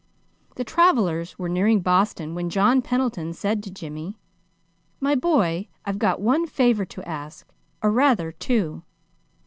The travelers were nearing Boston when John Pendleton said to Jimmy: "My boy, I've got one favor to ask or rather, two.